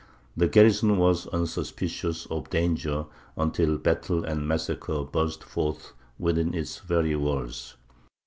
The garrison was unsuspicious of danger until battle and massacre burst forth within its very walls.